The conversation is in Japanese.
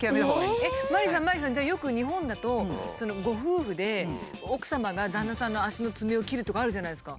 えっマリさんマリさんじゃあよく日本だとご夫婦で奥様が旦那さんの足のツメを切るとかあるじゃないですか。